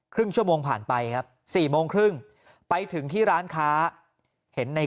ครึ่งชั่วโมงผ่านไปครับ๔โมงครึ่งไปถึงที่ร้านค้าเห็นใน